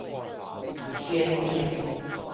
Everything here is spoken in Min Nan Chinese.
顯影